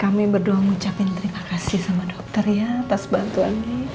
kami berdua mengucapkan terima kasih sama dokter ya atas bantuan